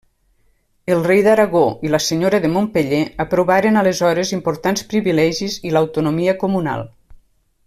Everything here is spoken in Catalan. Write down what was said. El rei d'Aragó i la senyora de Montpeller aprovaren aleshores importants privilegis i l'autonomia comunal.